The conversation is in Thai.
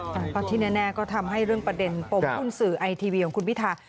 เพราะที่แน่ก็ทำให้เรื่องประเด็นปมหุ้นสื่อไอทีวีของคุณพิธา